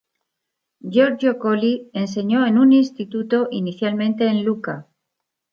Giorgio Colli enseñó en un instituto inicialmente en Lucca.